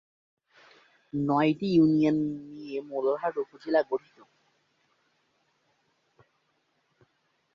নয়টি ইউনিয়ন নিয়ে মোল্লাহাট উপজেলা গঠিত।